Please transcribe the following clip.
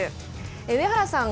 上原さん